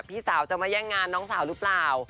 พี่สาวจะมาแย่งงานน้องสาวหรือเปล่า